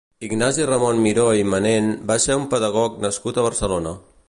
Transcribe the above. Ignasi Ramon Miró i Manent va ser un pedagog nascut a Barcelona.